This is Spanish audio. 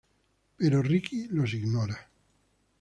Pero Ricky los ignora.